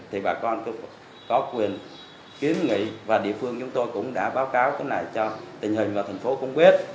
thì bà con có quyền kiến nghị và địa phương chúng tôi cũng đã báo cáo cái này cho tình hình và thành phố cũng quyết